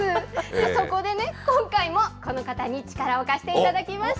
そこでね、今回もこの方に力を貸していただきました。